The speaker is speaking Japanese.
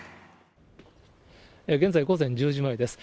現在、午前１０時前です。